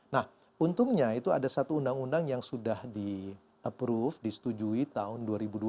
nah untungnya itu ada satu undang undang yang sudah di approve disetujui tahun dua ribu dua puluh